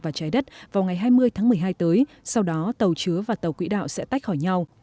và trái đất vào ngày hai mươi tháng một mươi hai tới sau đó tàu chứa và tàu quỹ đạo sẽ tách khỏi nhau